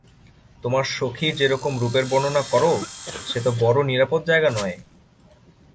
তোমার সখীর যেরকম রূপের বর্ণনা কর, সে তো বড়ো নিরাপদ জায়গা নয়!